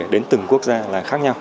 đến từng quốc gia là khác nhau